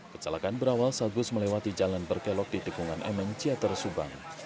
kecelakaan berawal saat bus melewati jalan berkelok di tikungan mn ciater subang